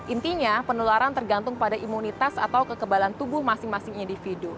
intinya penularan tergantung pada imunitas atau kekebalan tubuh masing masing individu